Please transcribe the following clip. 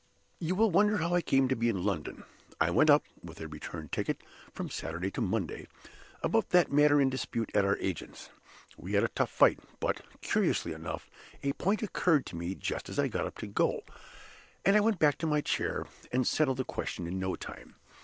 "You will wonder how I came to be in London. I went up, with a return ticket (from Saturday to Monday), about that matter in dispute at our agent's. We had a tough fight; but, curiously enough, a point occurred to me just as I got up to go; and I went back to my chair, and settled the question in no time.